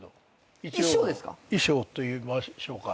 一応衣装といいましょうか。